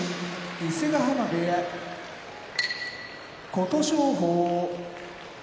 伊勢ヶ濱部屋琴勝峰